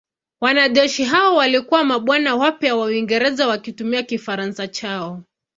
Wanajeshi hao walikuwa mabwana wapya wa Uingereza wakitumia Kifaransa chao.